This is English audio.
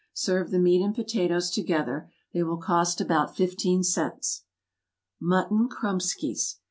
Serve the meat and potatoes together; they will cost about fifteen cents. =Mutton Kromeskys.